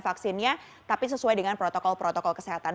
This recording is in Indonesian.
vaksinnya tapi sesuai dengan protokol protokol kesehatan